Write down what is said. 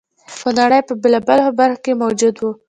په نړۍ په بېلابېلو برخو کې موجود و